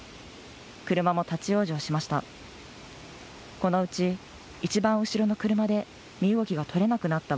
車も立往生しました。